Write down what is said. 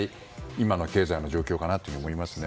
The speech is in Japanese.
今の経済の状況かなと思います。